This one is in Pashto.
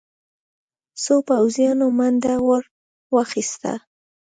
څو پوځيانو منډه ور واخيسته.